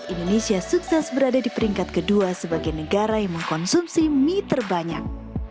indonesia sukses berada di peringkat kedua sebagai negara yang mengkonsumsi mie terbanyak